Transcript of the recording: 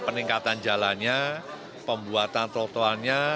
peningkatan jalannya pembuatan trotoarnya